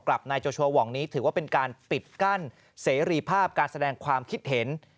นายโจโชวองนี้ถือว่าเป็นการปิดกั้นเสรีภาพการแสดงความคิดเห็น